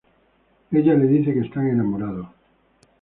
Ella le dice que están enamorados.